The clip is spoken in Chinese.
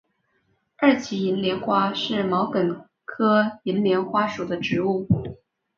二歧银莲花是毛茛科银莲花属的植物。